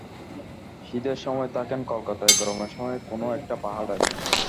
শীতের সময় থাকেন কলকাতায়, গরমের সময়ে কোনো-একটা পাহাড়ে।